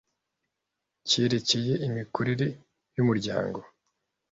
cyerekeye imikorere y umuryango